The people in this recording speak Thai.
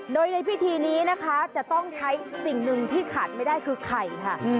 โดยในพิธีนี้นะคะจะต้องใช้สิ่งหนึ่งที่ขาดไม่ได้คือไข่ค่ะ